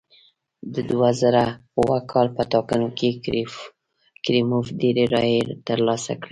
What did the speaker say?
د دوه زره اووه کال په ټاکنو کې کریموف ډېرې رایې ترلاسه کړې.